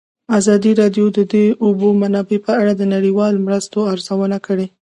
ازادي راډیو د د اوبو منابع په اړه د نړیوالو مرستو ارزونه کړې.